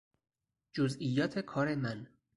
جزئیات کار من